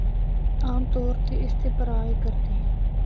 عام طور تے اس دے پراہا اے کردے۔